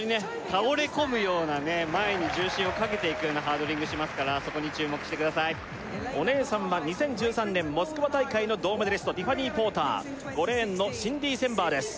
倒れ込むような前に重心をかけていくようなハードリングしますからそこに注目してくださいお姉さんは２０１３年モスクワ大会の銅メダリストティファニー・ポーター５レーンのシンディ・センバーです